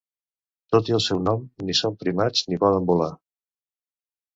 Tot i el seu nom, ni són primats ni poden volar.